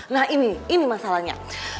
nah ini ini masalahnya